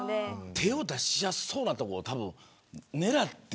手を出しやすそうなところを狙って、